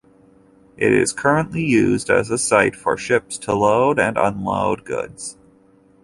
It is currently used as a site for ships to load and unload goods.